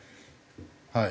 はい。